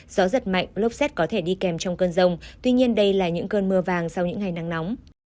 gió giật mạnh lốc xét có thể đi kèm trong cơn rông tuy nhiên đây là những cơn mưa vàng sau những ngày nắng nóng